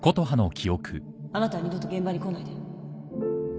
あなたは二度と現場に来ないで